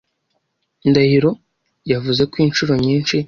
Ndahiro yavuze ko inshuro nyinshi.